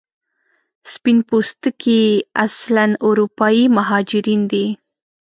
سپین پوستکي اصلا اروپایي مهاجرین دي.